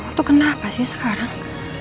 mama tuh kenapa sih sekarang